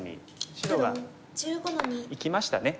白がいきましたね。